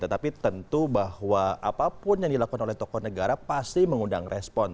tetapi tentu bahwa apapun yang dilakukan oleh tokoh negara pasti mengundang respon